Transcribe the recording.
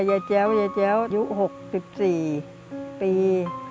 ยาแจ๊วยาแจ๊วยุค๖๔ปี